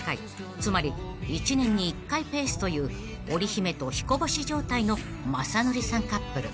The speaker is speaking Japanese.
［つまり１年に１回ペースという織姫と彦星状態の雅紀さんカップル］